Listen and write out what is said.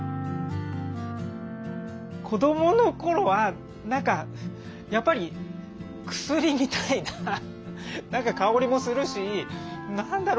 子供のころは何かやっぱり薬みたいな何か香りもするし何だろう